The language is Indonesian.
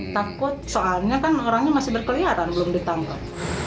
takut soalnya kan orangnya masih berkeliaran belum ditangkap